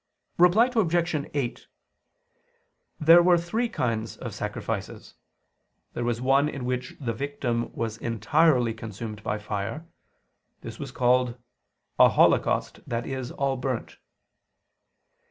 Reply Obj. 8: There were three kinds of sacrifices. There was one in which the victim was entirely consumed by fire: this was called "a holocaust, i.e. all burnt."